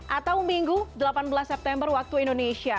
atau minggu delapan belas september waktu indonesia